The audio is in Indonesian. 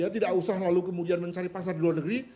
tidak usah lalu kemudian mencari pasar di luar negeri